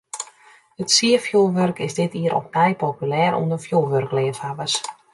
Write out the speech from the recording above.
It sierfjurwurk is dit jier opnij populêr ûnder fjurwurkleafhawwers.